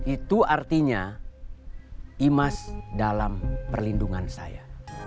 itu artinya imas dalam perlindungan saya